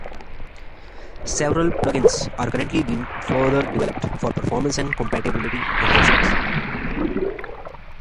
Several plug-ins are currently being further developed, for performance and compatibility enhancements.